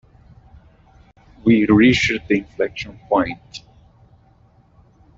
We reached an inflexion point.